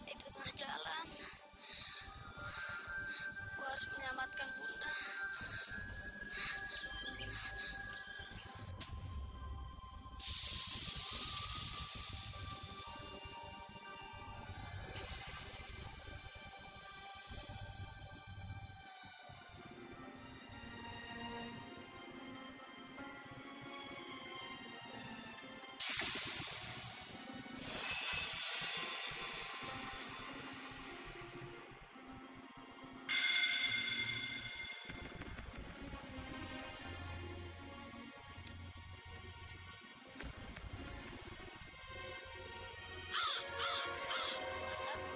ren juga selalu mendoakan rambun spesial